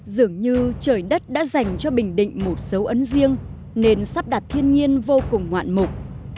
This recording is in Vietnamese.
dường như trời đất đã dành cho bình định một dấu ấn riêng nên sắp đặt thiên nhiên vô cùng ngoạn mục